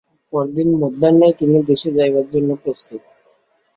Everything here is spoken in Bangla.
পরদিন মধ্যাহ্নেই তিনি দেশে যাইবার জন্য প্রস্তুত।